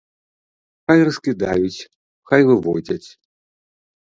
Хай раскідаюць, хай выводзяць!